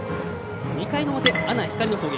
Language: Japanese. ２回の表、阿南光の攻撃。